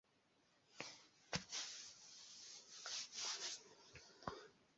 Kaj jen Arnold fingromontras al reklamo, kaj la ekrano eksplodas je koloroj.